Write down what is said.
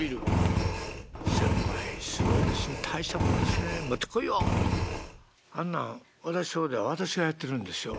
「先輩すごいですね大したもんですね『持ってこいよ』って。あんなん私とこでは私がやってるんですよ。